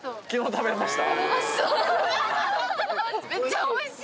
食べました。